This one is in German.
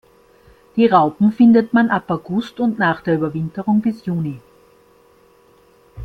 Die Raupen findet man ab August und nach der Überwinterung bis Juni.